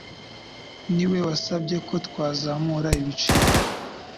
niwe wasabye ko twazamura ibiciro.